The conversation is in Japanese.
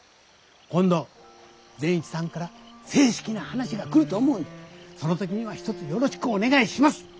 「今度善一さんから正式な話が来ると思うんでその時にはひとつよろしくお願いします」。